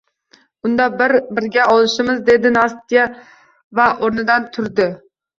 Unda… birga olishamiz, – dedi Nastya va oʻrnidan turdi.